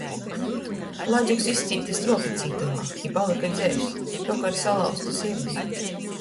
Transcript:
Ladzuks izcīte struopi cītumā i palyka dzeivs, tok ar salauztu sirdi.